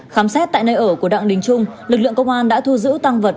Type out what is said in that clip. khám xét tại nơi ở của đặng đình trung lực lượng công an đã thu giữ tăng vật